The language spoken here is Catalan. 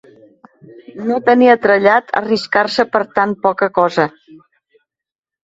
No tenia trellat arriscar-se per tan poca cosa.